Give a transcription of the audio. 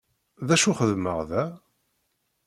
D acu xeddmeɣ da?